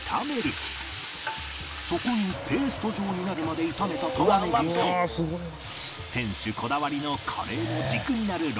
そこにペースト状になるまで炒めた玉ねぎと店主こだわりのカレーの軸になる６種のスパイス